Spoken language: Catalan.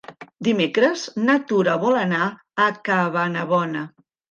Dimecres na Tura vol anar a Cabanabona.